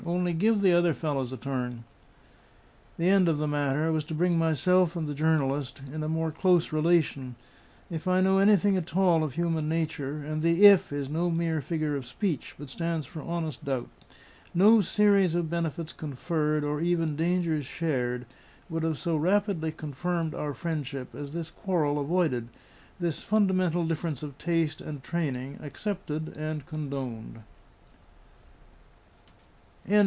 Only give the other fellows a turn." The end of the matter was to bring myself and the journalist in a more close relation. If I know anything at all of human nature and the IF is no mere figure of speech, but stands for honest doubt no series of benefits conferred, or even dangers shared, would have so rapidly confirmed our friendship as this quarrel avoided, this fundamental difference of taste and training accepted and condoned.